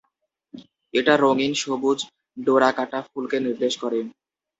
এটা রঙিন, সবুজ ডোরাকাটা ফুলকে নির্দেশ করে।